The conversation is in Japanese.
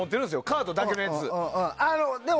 カードだけのやつ。